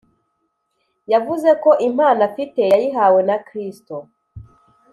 yavuze ko impano afite yayihawe na kristo